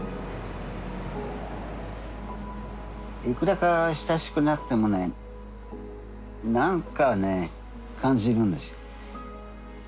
いくらか親しくなってもねなんかね感じるんですよ。